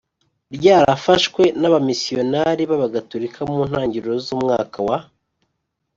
ryarafashwe n abamisiyoneri b abagatorika mu ntangiriro z umwaka wa